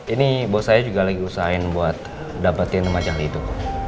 ini buat saya juga lagi usahain buat dapetin macam itu